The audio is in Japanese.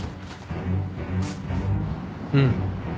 うん。